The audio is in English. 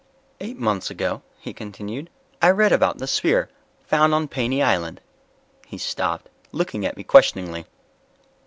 "Eight months ago," he continued, "I read about the sphere found on Paney Island." He stopped, looking at me questioningly.